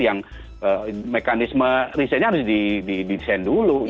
yang mekanisme risetnya harus di design dulu